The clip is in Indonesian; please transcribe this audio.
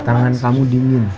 tangan kamu dingin